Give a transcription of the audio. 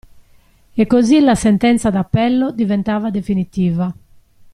E così la sentenza d'appello diventava definitiva.